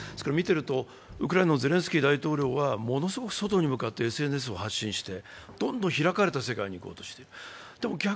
見てると、ウクライナのゼレンスキー大統領はものすごく外に向かってＳＮＳを発信してどんどん開かれた世界にいこうとしている。